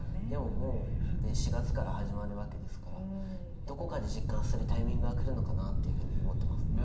でももうね、４月から始まるわけですから、どこかで実感するタイミングが来るのかなというふうに思ってます。